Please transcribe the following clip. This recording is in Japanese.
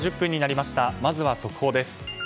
まずは、速報です。